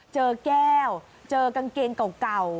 เจอแก้วเจอกางเกงเก่า